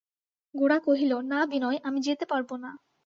গোরা কহিল, না বিনয়, আমি যেতে পারব না।